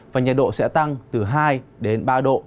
và nhiệt độ sẽ tăng từ hai ba độ